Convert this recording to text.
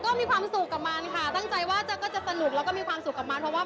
ก็มีความสุขกับเขาค่ะตั้งใจก็จะมาสนุนแล้วก็คิดว่ามีความสุขกับเขา